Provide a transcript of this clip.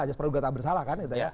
aja spadugata bersalah kan